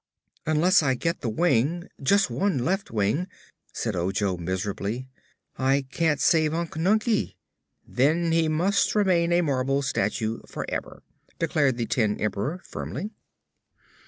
"Unless I get the wing just one left wing " said Ojo miserably, "I can't save Unc Nunkie." "Then he must remain a marble statue forever," declared the Tin Emperor, firmly.